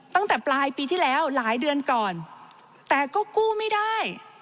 ตั้งแต่ปลายปีที่แล้วหลายเดือนก่อนแต่ก็กู้ไม่ได้